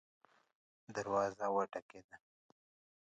دروازه وټکیده